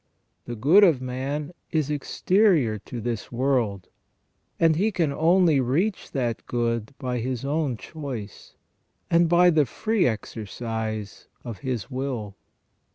The good of man is exterior to this world, and he can only reach that good by his own choice, and by the free exercise of his will.